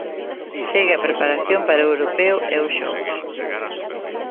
Segue a preparación para o europeo e os xogos.